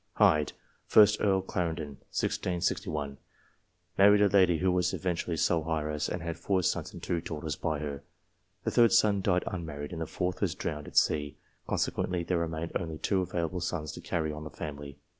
Hyde, 1st Earl of Clarendon (1661). Married a lady who was eventually sole heiress, and had four sons and two daughters by her. The third son died unmarried, and the fourth was drowned at sea, consequently there remained only two available sons to carry on the family.